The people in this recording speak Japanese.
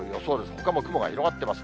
ほかも雲が広がっています。